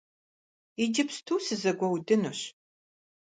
Иджыпсту сызэгуэудынущ!